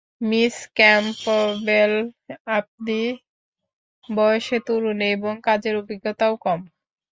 Miss Campbell, আপনি বয়সে তরুণ এবং কাজের অভিজ্ঞতাও কম।